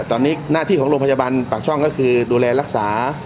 ตอนนี้หน้าที่ของโรงพยาบาลปากช่องก็คือดูแลรักษา